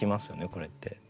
これって。